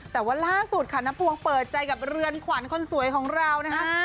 แต่ว่าล่าสุดค่ะน้าพวงเปิดใจกับเรือนขวัญคนสวยของเรานะคะ